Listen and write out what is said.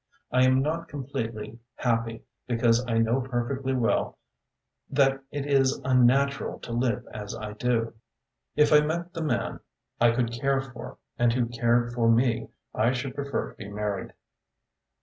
I am not completely happy because I know perfectly well that it is unnatural to live as I do. If I met the man I could care for and who cared for me, I should prefer to be married."